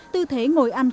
tư thế ngồi ăn không phù hợp